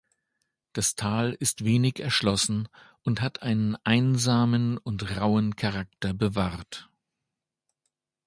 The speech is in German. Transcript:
Das Tal ist wenig erschlossen und hat einen einsamen und rauen Charakter bewahrt.